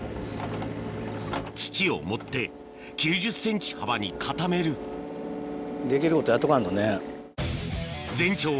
土を盛って９０ｃｍ幅に固めるできることやっとかんとね。